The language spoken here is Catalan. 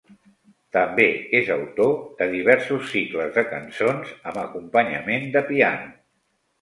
També, és autor, de diversos cicles de cançons amb acompanyament de piano.